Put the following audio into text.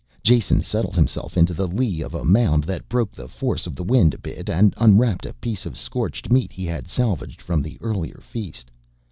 Jason settled himself into the lee of a mound that broke the force of the wind a bit and unwrapped a piece of scorched meat he had salvaged from the earlier feast.